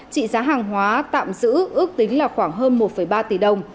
trị giá hàng hóa tạm giữ ước tính là khoảng hơn một ba tỷ đồng